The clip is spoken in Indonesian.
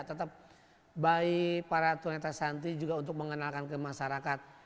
tetap baik para tunata santri juga untuk mengenalkan ke masyarakat